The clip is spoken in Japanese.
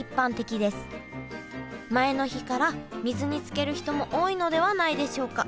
前の日から水につける人も多いのではないでしょうか。